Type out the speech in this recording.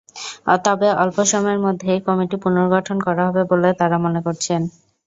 তবে অল্প সময়ের মধ্যেই কমিটি পুনর্গঠন করা হবে বলে তাঁরা মনে করছেন।